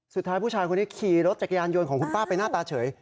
สุดท้ายผู้ชายคนนี้ขี่รถจักรยานยนต์ของคุณป้าไปหน้าตาเฉย